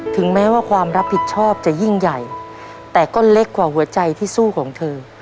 ถึงแม้ว่าความรับผิดชอบจะยิ่งใหญ่แต่ก็เล็กกว่าหัวใจที่สู้ของเธอ